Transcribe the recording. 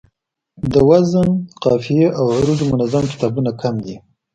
د وزن، قافیې او عروضو منظم کتابونه کم دي